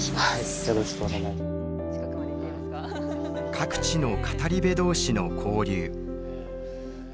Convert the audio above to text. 各地の語り部同士の交流。